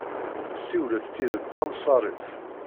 Ssiwlet tidet tamsarit.